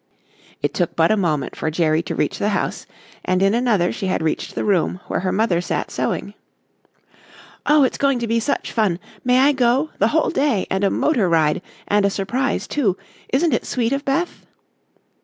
It took but a moment for Jerry to reach the house and in another she had reached the room where her mother sat sewing. "Oh, it's going to be such fun! May I go? The whole day, and a motor ride, and a surprise, too. Isn't it sweet of Beth?"